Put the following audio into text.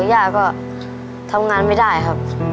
ย่าก็ทำงานไม่ได้ครับ